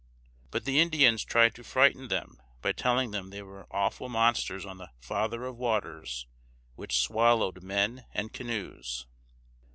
But the Indians tried to frighten them by telling them there were awful monsters on the "Father of Waters," which swallowed men and canoes.